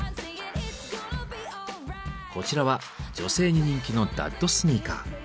こちらは女性に人気の「ダッドスニーカー」。